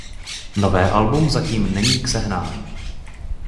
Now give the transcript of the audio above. Nové album zatím není k sehnání.